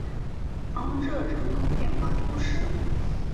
昂热人口变化图示